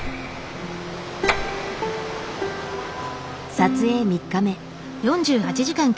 撮影３日目。